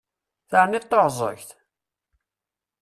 Terniḍ taεẓegt!